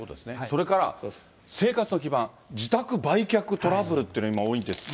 それから、生活の基盤、自宅売却トラブルっていうの、今、多いんですね。